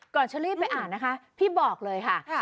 ก่อนฉันรีบไปอ่านนะคะพี่บอกเลยค่ะ